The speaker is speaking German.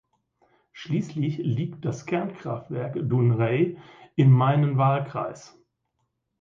Schließlich liegt das Kernkraftwerk Dounreay in meinen Wahlkreis.